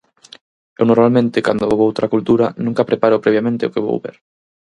Eu normalmente cando vou a outra cultura nunca preparo previamente o que vou ver.